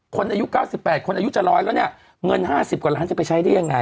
คนอายุเก้าสิบแปดคนอายุจะร้อยแล้วเนี่ยเงินห้าสิบกว่าล้านจะไปใช้ได้ยังไง